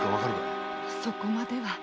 そこまでは。